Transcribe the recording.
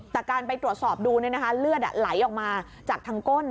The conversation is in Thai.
แต่การไปตรวจสอบดูเลือดไหลออกมาจากทางก้น